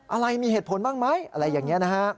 อะไรมีเหตุผลบ้างไหมอะไรอย่างนี้นะฮะ